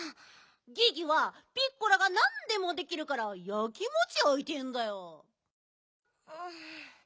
ギギはピッコラがなんでもできるからやきもちやいてんだよ。